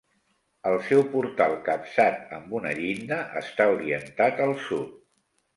El seu portal capçat amb una llinda està orientat al sud.